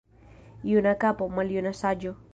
Juna kapo, maljuna saĝo.